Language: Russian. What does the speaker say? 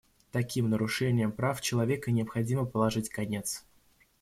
Таким нарушениям прав человека необходимо положить конец.